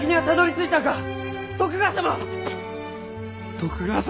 徳川様